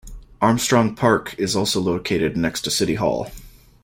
Armstrong Park is also located next to City Hall.